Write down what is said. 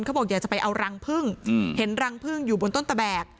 บอกอยากจะไปเอารังพึ่งเห็นรังพึ่งอยู่บนต้นตะแบก